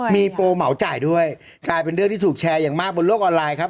มีโปรเหมาจ่ายด้วยกลายเป็นเรื่องที่ถูกแชร์อย่างมากบนโลกออนไลน์ครับ